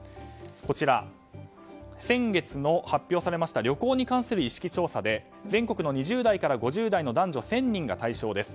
こちら、先月発表されました旅行に対する意識調査で全国の２０代から５０代の男女１０００人が対象です。